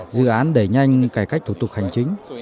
dự án đẩy nhanh cải cách thủ tục hành chính